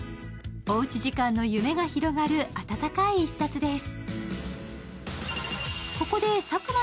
おうち時間の夢が広がる温かい一冊です。